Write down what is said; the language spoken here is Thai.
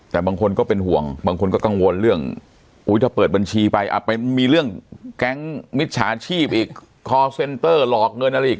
แต่บางคนก็เป็นห่วงบางคนก็กังวลเรื่องถ้าเปิดบัญชีไปไปมีเรื่องแก๊งมิจฉาชีพอีกคอร์เซ็นเตอร์หลอกเงินอะไรอีก